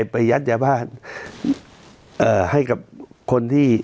ยัดยาบ้านให้กับคนที่